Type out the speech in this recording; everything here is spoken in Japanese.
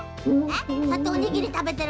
そうやっておにぎりたべてるの？